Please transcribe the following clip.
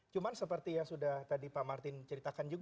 cuma seperti yang sudah tadi pak martin ceritakan juga